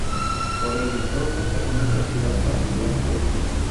Por ello el juego cuenta con otra ciudad para jugar, Tokio.